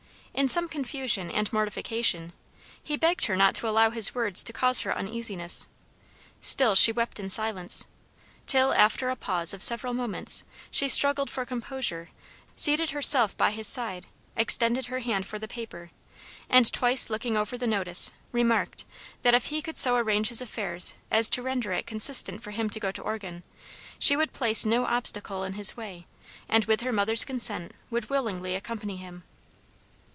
In some confusion and mortification, he begged her not to allow his words to cause her uneasiness. Still she wept in silence, till, after a pause of several moments, she struggled for composure seated herself by his side, extended her hand for the paper, and twice looking over the notice, remarked, that if he could so arrange his affairs as to render it consistent for him to go to Oregon, she would place no obstacle in his way, and with her mother's consent would willingly accompany him.